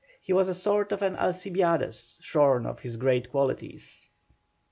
He was a sort of an Alcibiades shorn of his great qualities.